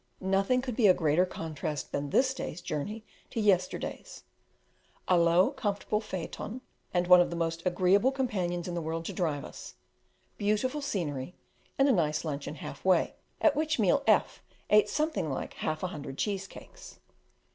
Nothing could be a greater contrast than this day's journeying to yesterday's. A low, comfortable phaeton, and one of the most agreeable companions in the world to drive us, beautiful scenery and a nice luncheon half way, at which meal F ate something like half a hundred cheese cakes!